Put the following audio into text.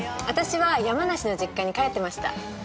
私は山梨の実家に帰ってました。